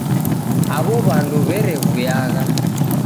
Aw'o w'andu w'erewuyagha